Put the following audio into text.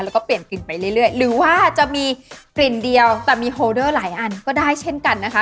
แล้วก็เปลี่ยนกลิ่นไปเรื่อยหรือว่าจะมีกลิ่นเดียวแต่มีโฮเดอร์หลายอันก็ได้เช่นกันนะคะ